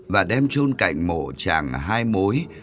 và đem trôn cạnh mộ chàng hai mối